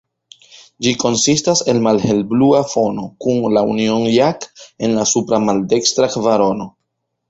Ĝi konsistas el malhelblua fono, kun la Union Jack en la supra maldekstra kvarono.